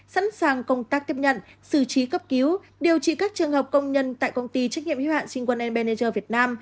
sẵn sàng công tác tiếp nhận xử trí cấp cứu điều trị các trường hợp công nhân tại công ty trách nhiệm hi hạn sinh quân nbnj việt nam